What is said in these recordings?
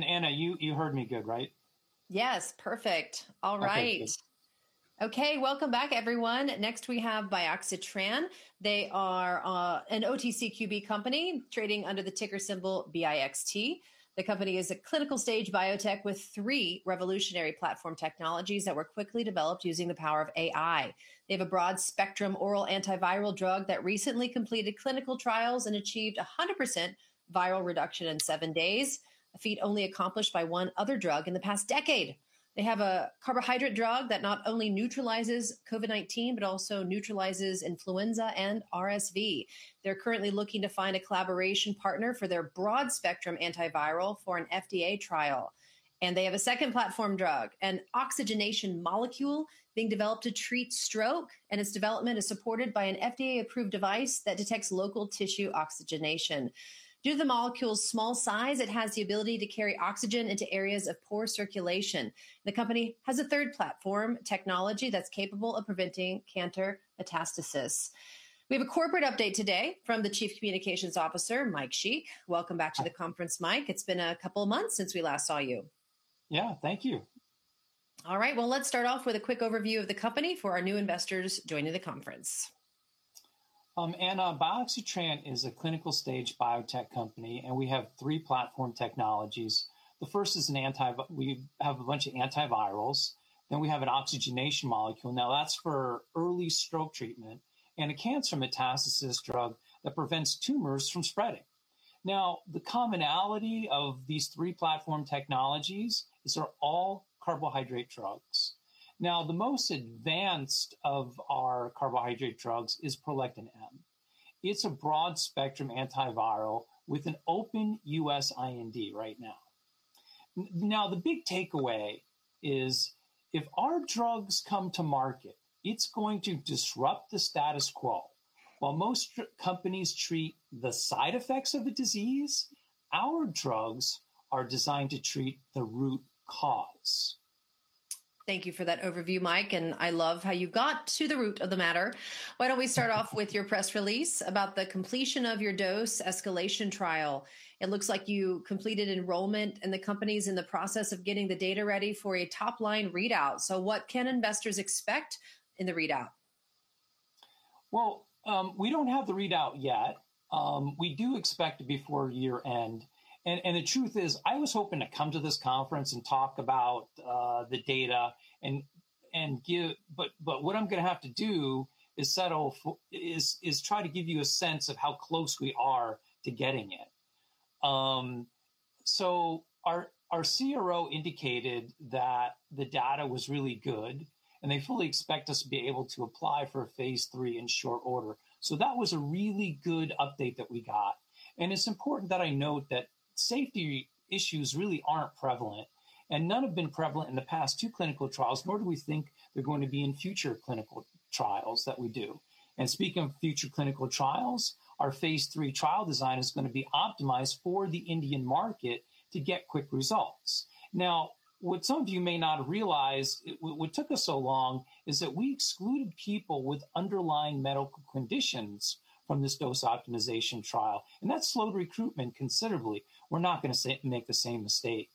Anna, you heard me good, right? Yes, perfect. All right. Perfect. Okay, welcome back, everyone. Next, we have Bioxytran. They are an OTCQB company trading under the ticker symbol BIXT. The company is a clinical stage biotech with three revolutionary platform technologies that were quickly developed using the power of AI. They have a broad-spectrum oral antiviral drug that recently completed clinical trials and achieved 100% viral reduction in seven days, a feat only accomplished by one other drug in the past decade. They have a carbohydrate drug that not only neutralizes COVID-19, but also neutralizes influenza and RSV. They're currently looking to find a collaboration partner for their broad-spectrum antiviral for an FDA trial, and they have a second platform drug, an oxygenation molecule being developed to treat stroke, and its development is supported by an FDA-approved device that detects local tissue oxygenation. Due to the molecule's small size, it has the ability to carry oxygen into areas of poor circulation. The company has a third platform technology that's capable of preventing cancer metastasis. We have a corporate update today from the Chief Communications Officer, Mike Sheikh. Welcome back to the conference, Mike. It's been a couple of months since we last saw you. Yeah, thank you. All right, well, let's start off with a quick overview of the company for our new investors joining the conference. Anna, Bioxytran is a clinical stage biotech company, and we have three platform technologies. The first is we have a bunch of antivirals. Then we have an oxygenation molecule. Now, that's for early stroke treatment and a cancer metastasis drug that prevents tumors from spreading. Now, the commonality of these three platform technologies is they're all carbohydrate drugs. Now, the most advanced of our carbohydrate drugs is ProLectin-M. It's a broad-spectrum antiviral with an open U.S. to IND right now. Now, the big takeaway is if our drugs come to market, it's going to disrupt the status quo. While most companies treat the side effects of the disease, our drugs are designed to treat the root cause. Thank you for that overview, Mike, and I love how you got to the root of the matter. Why don't we start off with your press release about the completion of your dose escalation trial? It looks like you completed enrollment, and the company is in the process of getting the data ready for a top-line readout. So what can investors expect in the readout? We don't have the readout yet. We do expect it before year-end. The truth is, I was hoping to come to this conference and talk about the data, but what I'm going to have to do is try to give you a sense of how close we are to getting it. Our CRO indicated that the data was really good, and they fully expect us to be able to apply for a phase three in short order. That was a really good update that we got. It's important that I note that safety issues really aren't prevalent, and none have been prevalent in the past two clinical trials, nor do we think they're going to be in future clinical trials that we do. Speaking of future clinical trials, our phase three trial design is going to be optimized for the Indian market to get quick results. Now, what some of you may not realize, what took us so long is that we excluded people with underlying medical conditions from this dose optimization trial, and that slowed recruitment considerably. We're not going to make the same mistake.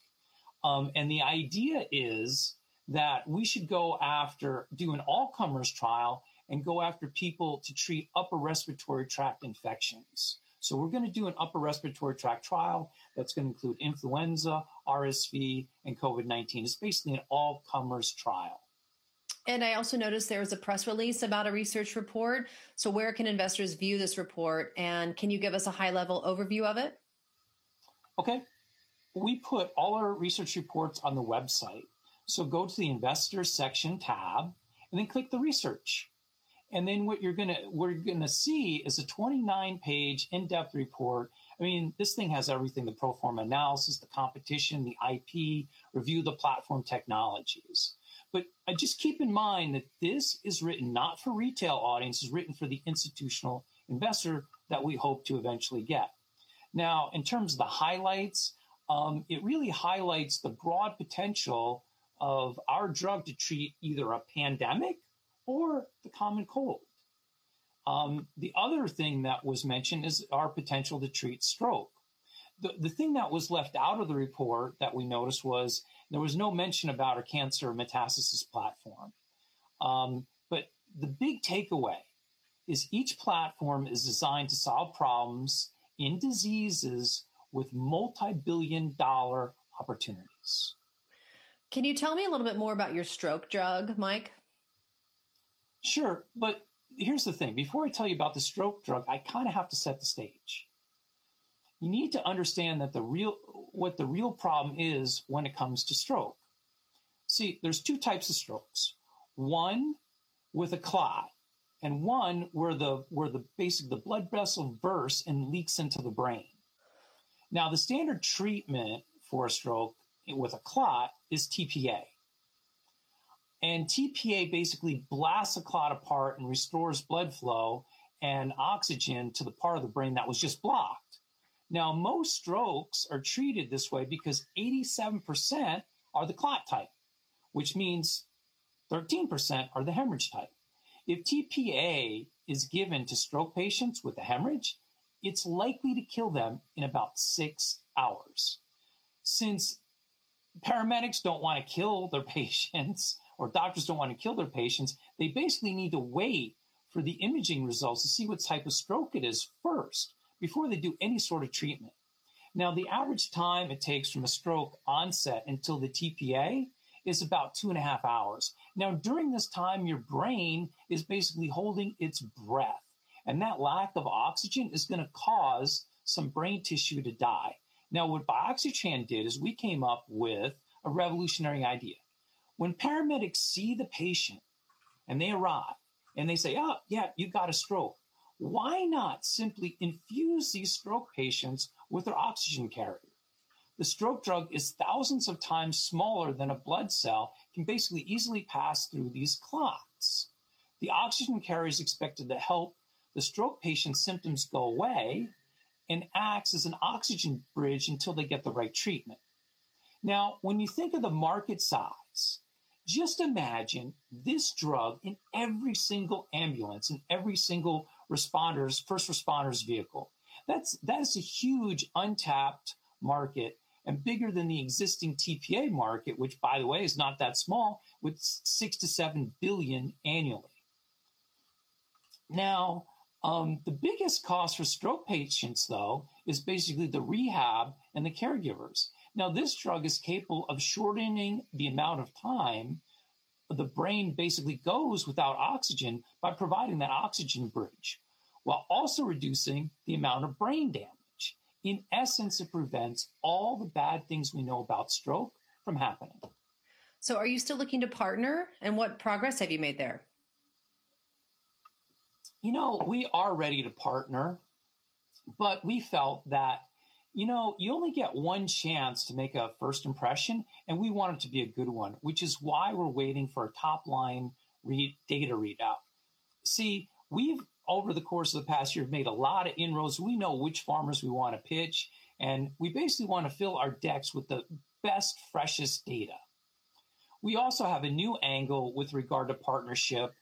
The idea is that we should go after, do an all-comers trial and go after people to treat upper respiratory tract infections. We're going to do an upper respiratory tract trial that's going to include influenza, RSV, and COVID-19. It's basically an all-comers trial. And I also noticed there was a press release about a research report. So where can investors view this report, and can you give us a high-level overview of it? Okay, we put all our research reports on the website. So go to the Investor Section tab, and then click the Research. And then what you're going to see is a 29-page in-depth report. I mean, this thing has everything: the Pro Forma analysis, the competition, the IP, review the platform technologies. But just keep in mind that this is written not for retail audiences, written for the institutional investor that we hope to eventually get. Now, in terms of the highlights, it really highlights the broad potential of our drug to treat either a pandemic or the common cold. The other thing that was mentioned is our potential to treat stroke. The thing that was left out of the report that we noticed was there was no mention about a cancer metastasis platform. But the big takeaway is each platform is designed to solve problems in diseases with multi-billion-dollar opportunities. Can you tell me a little bit more about your stroke drug, Mike? Sure, but here's the thing. Before I tell you about the stroke drug, I kind of have to set the stage. You need to understand what the real problem is when it comes to stroke. See, there's two types of strokes: one with a clot and one where basically the blood vessel bursts and leaks into the brain. Now, the standard treatment for a stroke with a clot is tPA, and tPA basically blasts a clot apart and restores blood flow and oxygen to the part of the brain that was just blocked. Now, most strokes are treated this way because 87% are the clot type, which means 13% are the hemorrhage type. If tPA is given to stroke patients with a hemorrhage, it's likely to kill them in about six hours. Since paramedics don't want to kill their patients or doctors don't want to kill their patients, they basically need to wait for the imaging results to see what type of stroke it is first before they do any sort of treatment. Now, the average time it takes from a stroke onset until the tPA is about two and a half hours. Now, during this time, your brain is basically holding its breath, and that lack of oxygen is going to cause some brain tissue to die. Now, what Bioxytran did is we came up with a revolutionary idea. When paramedics see the patient and they arrive and they say, "Oh, yeah, you've got a stroke," why not simply infuse these stroke patients with their oxygen carrier? The stroke drug is thousands of times smaller than a blood cell and can basically easily pass through these clots. The oxygen carrier is expected to help the stroke patient's symptoms go away and acts as an oxygen bridge until they get the right treatment. Now, when you think of the market size, just imagine this drug in every single ambulance, in every single responder, first responder's vehicle. That is a huge untapped market and bigger than the existing tPA market, which, by the way, is not that small, with $6 billion-$7 billion annually. Now, the biggest cost for stroke patients, though, is basically the rehab and the caregivers. Now, this drug is capable of shortening the amount of time the brain basically goes without oxygen by providing that oxygen bridge while also reducing the amount of brain damage. In essence, it prevents all the bad things we know about stroke from happening. So are you still looking to partner, and what progress have you made there? You know, we are ready to partner, but we felt that, you know, you only get one chance to make a first impression, and we want it to be a good one, which is why we're waiting for a top-line data readout. See, we've, over the course of the past year, made a lot of inroads. We know which farmers we want to pitch, and we basically want to fill our decks with the best, freshest data. We also have a new angle with regard to partnership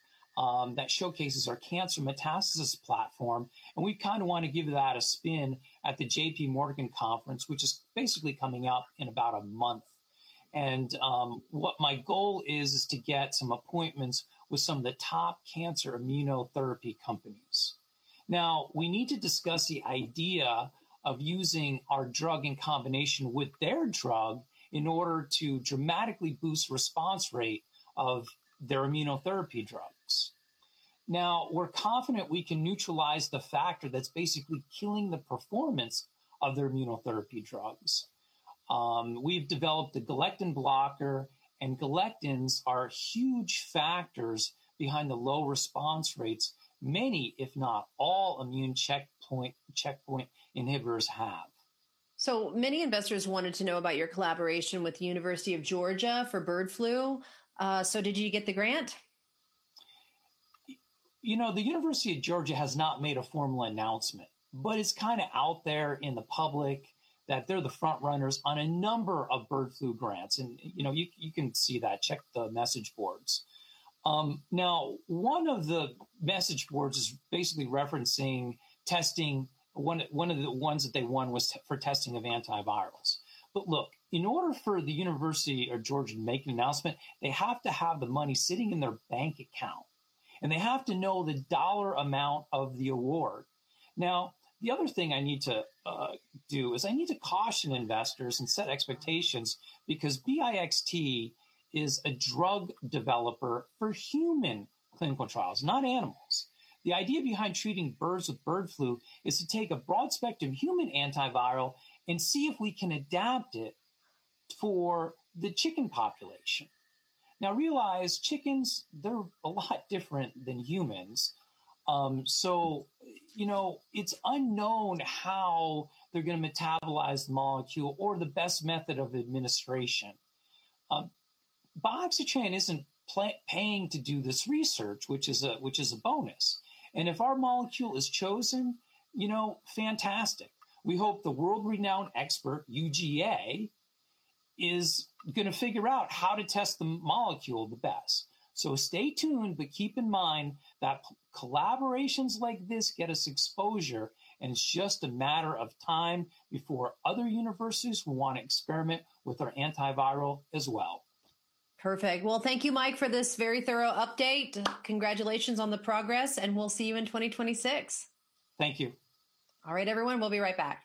that showcases our cancer metastasis platform, and we kind of want to give that a spin at the J.P. Morgan Conference, which is basically coming up in about a month, and what my goal is, is to get some appointments with some of the top cancer immunotherapy companies. Now, we need to discuss the idea of using our drug in combination with their drug in order to dramatically boost the response rate of their immunotherapy drugs. Now, we're confident we can neutralize the factor that's basically killing the performance of their immunotherapy drugs. We've developed a galectin blocker, and galectins are huge factors behind the low response rates many, if not all, immune checkpoint inhibitors have. So many investors wanted to know about your collaboration with the University of Georgia for bird flu. So did you get the grant? You know, the University of Georgia has not made a formal announcement, but it's kind of out there in the public that they're the front runners on a number of bird flu grants. And you can see that. Check the message boards. Now, one of the message boards is basically referencing testing. One of the ones that they won was for testing of antivirals. But look, in order for the University of Georgia to make an announcement, they have to have the money sitting in their bank account, and they have to know the dollar amount of the award. Now, the other thing I need to do is I need to caution investors and set expectations because BIXT is a drug developer for human clinical trials, not animals. The idea behind treating birds with bird flu is to take a broad-spectrum human antiviral and see if we can adapt it for the chicken population. Now, realize chickens, they're a lot different than humans. So, you know, it's unknown how they're going to metabolize the molecule or the best method of administration. Bioxytran isn't paying to do this research, which is a bonus, and if our molecule is chosen, you know, fantastic. We hope the world-renowned expert, UGA, is going to figure out how to test the molecule the best, so stay tuned, but keep in mind that collaborations like this get us exposure, and it's just a matter of time before other universities will want to experiment with our antiviral as well. Perfect. Well, thank you, Mike, for this very thorough update. Congratulations on the progress, and we'll see you in 2026. Thank you. All right, everyone, we'll be right back.